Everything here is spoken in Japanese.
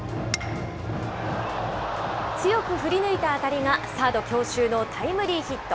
強く振り抜いた当たりが、サード強襲のタイムリーヒット。